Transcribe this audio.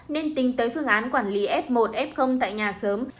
nên tính tới phương án quản lý f một f tại nhà sớm